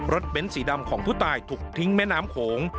เบ้นสีดำของผู้ตายถูกทิ้งแม่น้ำโขง